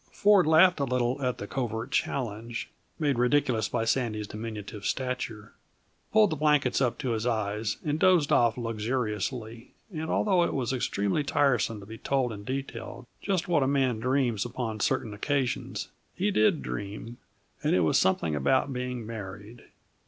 Ford laughed a little at the covert challenge, made ridiculous by Sandy's diminutive stature, pulled the blankets up to his eyes, and dozed off luxuriously; and although it is extremely tiresome to be told in detail just what a man dreams upon certain occasions, he did dream, and it was something about being married.